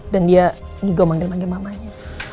dan dia gigau manggil manggil mamanya